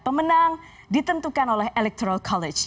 pemenang ditentukan oleh electoral college